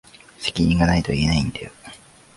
責任が無いとは言えないんだよ。